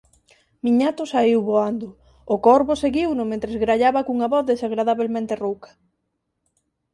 miñato saíu voando, o corvo seguiuno mentres grallaba cunha voz desagradabelmente rouca.